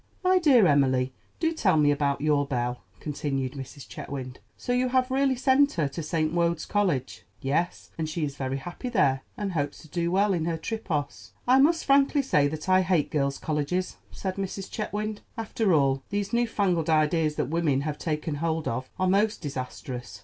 "My dear Emily, do tell me about your Belle," continued Mrs. Chetwynd. "So you have really sent her to St. Wode's College?" "Yes; and she is very happy there, and hopes to do well in her tripos." "I must frankly say that I hate girls' colleges," said Mrs. Chetwynd. "After all, these new fangled ideas that women have taken hold of are most disastrous.